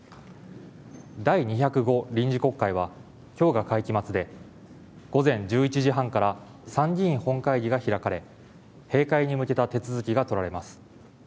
第２０５臨時国会はきょうが会期末で午前１１時半から参議院本会議が開かれ閉会に向けた手続きが取られます。